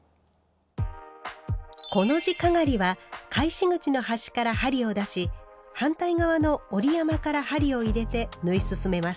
コの字かがりは返し口の端から針を出し反対側の折り山から針を入れて縫い進めます。